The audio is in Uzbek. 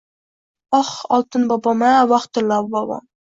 Oh oltin bobom-a, voh tillo bobom.